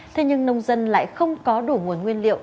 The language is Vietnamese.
thế nhưng nông dân lại không có đủ nguồn nguyên liệu